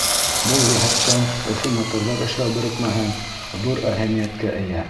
Был йәһәттән Өфө моторҙар эшләү берекмәһе ҙур әһәмиәткә эйә.